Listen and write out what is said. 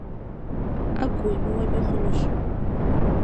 Ӏэгу уемыуэми хъунущ.